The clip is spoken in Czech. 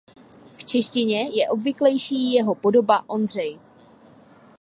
V češtině je obvyklejší jeho podoba Ondřej.